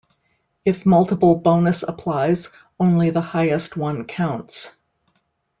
If multiple bonus applies, only the highest one counts.